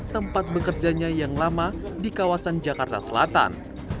tempat bekerjanya yang lama di kawasan jakarta selatan